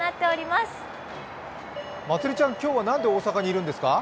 まつりちゃん、今日はなんで大阪にいるんですか？